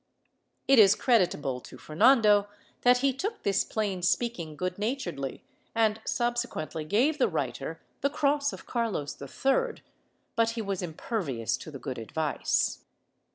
^ It is creditable to Fernando that he took this plain speaking good naturedly and subsequently gave the writer the cross of Carlos III, but he vras impervious to the good advice.